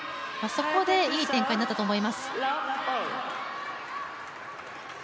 そこでいい展開になったと思います。